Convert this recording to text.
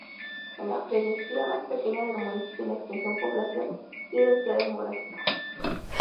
Era la freguesía más pequeña del municipio en extensión, población y densidad demográfica.